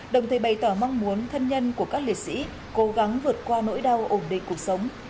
đồng thời bày tỏ mong muốn thân nhân của các liệt sĩ cố gắng vượt qua nỗi đau ổn định cuộc sống